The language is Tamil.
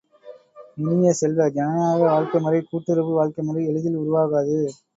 இனிய செல்வ, ஜனநாயக வாழ்க்கைமுறை கூட்டுறவு வாழ்க்கைமுறை எளிதில் உருவாகாது.